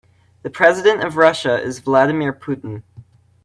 The president of Russia is Vladimir Putin.